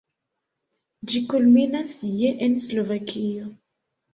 Ĝi kulminas je en Slovakio.